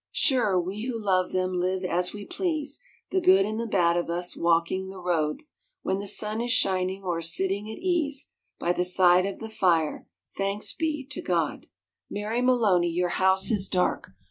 Sure we who loved them live as we please, The good and the bad of us, walking the road When the sun is shining, or sitting at ease By the side of the fire, — thanks be to God ! 109 no ALL SOULS' NIGHT Mary Maloney, your house is dark.